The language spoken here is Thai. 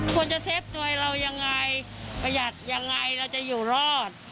ควรจะเซฟตัวเราอย่างไรประหยัดอย่างไรเราจะอยู่รอด